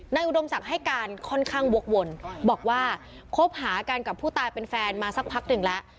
อุดมศักดิ์ให้การค่อนข้างวกวนบอกว่าคบหากันกับผู้ตายเป็นแฟนมาสักพักหนึ่งแล้ว